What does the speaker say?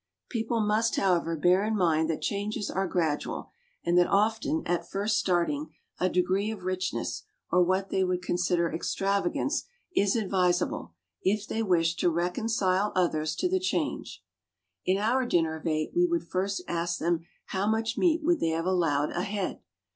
People must, however, bear in mind that changes are gradual, and that often, at first starting, a degree of richness, or what they would consider extravagance, is advisable if they wish to reconcile others to the change. In our dinner for eight we would first ask them how much meat would they have allowed a head?